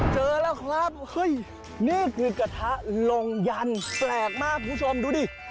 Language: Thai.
เจอแล้วครับเฮ้ยนี่คือกระทะลงยันแปลกมากคุณผู้ชมดูดิ